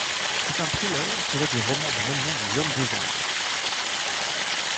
C'est un thriller tiré du roman du même nom de John Grisham.